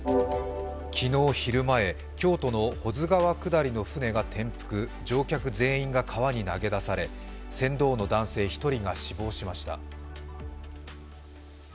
昨日昼前、京都の保津川下りの船が転覆乗客全員が川に投げ出され、船頭の男性１人が死亡しました。